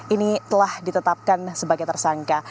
ini telah ditetapkan sebagai tersangka